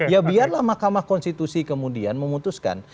ya biarlah mahkamah konstitusi kemudian memutuskan